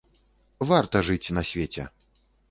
Варта жыць на свеце!